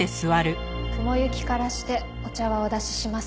雲行きからしてお茶はお出ししませんね。